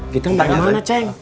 kita mau kemana ceng